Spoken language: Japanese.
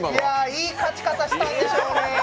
いい勝ち方したんでしょうね。